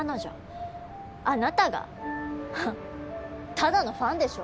ただのファンでしょ？